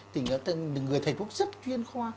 thì người thầy phúc rất chuyên khoa